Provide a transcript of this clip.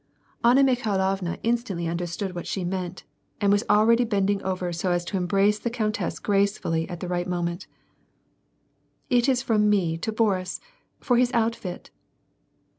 Anna Mikhailovna instantly understood what she meant^ WAR AND PEACE. C7 ^d was already bending over so as to embrace the countess gracefullj at the right moment. It is from me to Boris, for his outfit."